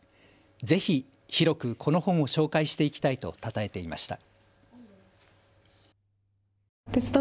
ぜひ広くこの本を紹介していきたいとたたえていました。